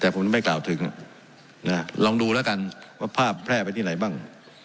แต่ผมไม่กล่าวถึงลองดูแล้วกันว่าภาพแพร่ไปที่ไหนบ้าง